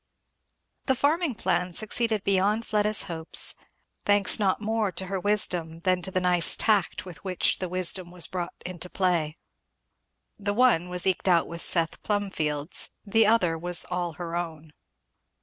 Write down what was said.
The farming plan succeeded beyond Fleda's hopes; thanks not more to her wisdom than to the nice tact with which the wisdom was brought into play. The one was eked out with Seth Plumfield's; the other was all her own.